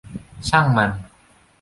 ช่างมัน